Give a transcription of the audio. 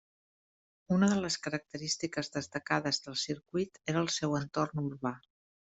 Una de les característiques destacades del circuit era el seu entorn urbà.